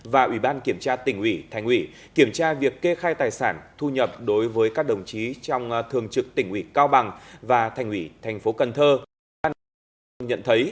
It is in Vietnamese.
và ubkt thành ủy kiểm tra việc kê khai tài sản thu nhập đối với các đồng chí trong thường trực tỉnh ủy cao bằng và thành ủy tp cn